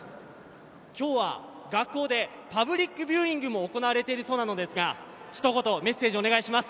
今日は学校でパブリックビューイングも行われているそうですが、メッセージをお願いします。